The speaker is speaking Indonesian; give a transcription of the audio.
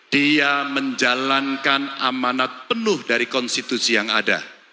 dia menjalankan amanat penuh dari konstitusi yang ada